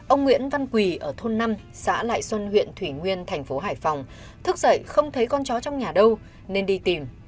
ông nguyễn văn quỳ ở thôn năm xã lại xuân huyện thủy nguyên thành phố hải phòng thức dậy không thấy con chó trong nhà đâu nên đi tìm